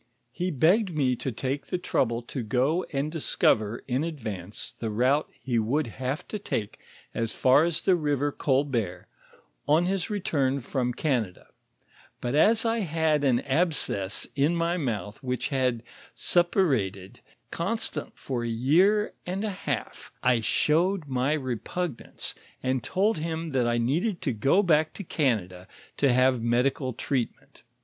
"He begged me to take the trouble to go and discover in advance the route he would have to take as far as the river Colbert on his return from Canada, but as I had an abscess in my mouth which had suppurated constantly ior a year ond o half, / showed my reptignance, and told him that I needed to go back to Canada to have medical treatment.